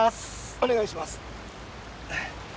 お願いします。